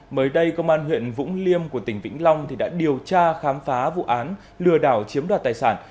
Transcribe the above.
mới đây công an huyện vũng liêm của tỉnh vĩnh long đã điều tra khám phá vụ án lừa đảo chiếm đoạt tài sản